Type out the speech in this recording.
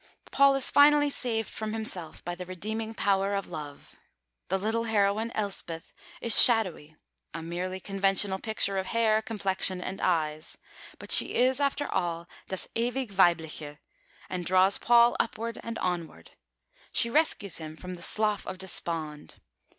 Paul is finally saved from himself by the redeeming power of love. The little heroine Elsbeth is shadowy, a merely conventional picture of hair, complexion, and eyes, but she is, after all, das Ewigweibliche, and draws Paul upward and onward. She rescues him from the Slough of Despond.